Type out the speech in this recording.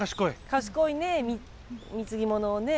賢いね貢ぎ物をね。